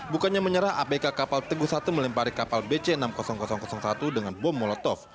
bukannya menyerah abk kapal teguh satu melempari kapal bc enam ribu satu dengan bom molotov